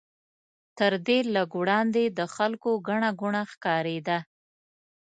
تر دې لږ وړاندې د خلکو ګڼه ګوڼه ښکارېده.